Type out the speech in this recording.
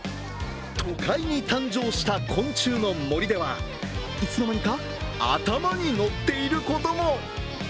都会に誕生した昆虫の森ではいつの間にか頭に乗っていることも。